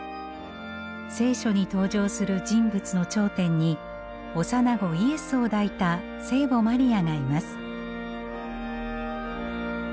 「聖書」に登場する人物の頂点に幼子イエスを抱いた聖母マリアがいます。